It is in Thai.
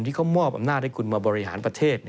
ที่เขามอบอำนาจให้คุณมาบริหารประเทศ